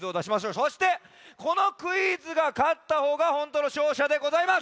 そしてこのクイズがかったほうがほんとうのしょうしゃでございます。